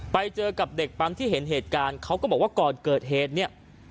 ไปเจอกับเด็กปั๊มที่เห็นเหตุการณ์เขาก็บอกว่าก่อนเกิดเหตุเนี่ย